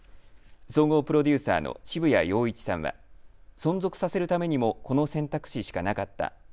総合プロデューサーの渋谷陽一さんは、存続させるためにもこの選択肢しかなかった。